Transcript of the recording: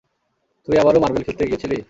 তুই আবারও মার্বেল খেলতে গিয়েছিলি?